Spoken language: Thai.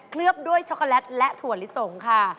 เลือกด้วยช็อกโกแลตและถั่วลิสงค่ะ